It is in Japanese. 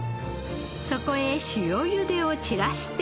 そこへ塩ゆでを散らして。